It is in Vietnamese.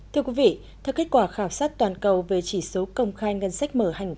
thưa quý vị theo kết quả khảo sát toàn cầu về chỉ số công khai ngân sách mở hành